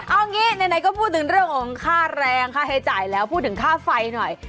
เอางี้ไหนก็พูดถึงเรื่องของค่าแรงค่าใช้จ่ายแล้วพูดถึงค่าไฟหน่อย